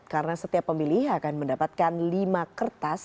karena setiap pemilih akan mendapatkan lima kertas